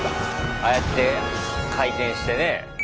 ああやって回転してね。